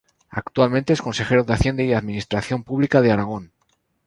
Actualmente es Consejero de Hacienda y Administración Pública de Aragón.